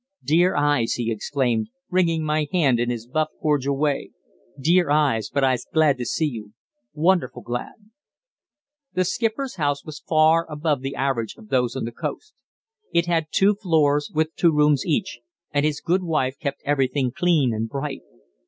"Dear eyes!" he exclaimed, wringing my hand in his bluff, cordial way; "Dear eyes! but I'se glad to see you wonderful glad!" The skipper's house was far above the average of those on the coast. It had two floors with two rooms each, and his good wife kept everything clean and bright.